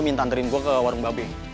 minta anterin gue ke warung babe